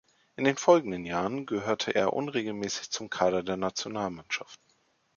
In den folgenden Jahren gehörte er unregelmäßig zum Kader der Nationalmannschaft.